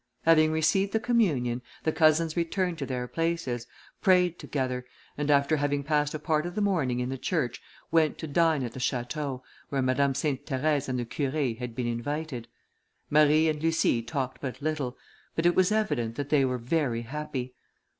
Having received the communion, the cousins returned to their places, prayed together, and after having passed a part of the morning in the church, went to dine at the château, where Madame Sainte Therèse and the Curé had been invited. Marie and Lucie talked but little, but it was evident that they were very happy.